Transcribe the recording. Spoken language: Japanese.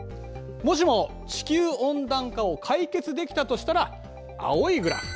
もしも地球温暖化を解決できたとしたら青いグラフ。